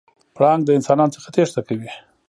پړانګ د انسانانو څخه تېښته کوي.